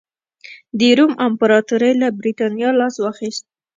د روم امپراتورۍ له برېټانیا لاس واخیست.